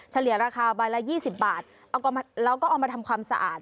เฉลี่ยราคาใบละ๒๐บาทแล้วก็เอามาทำความสะอาด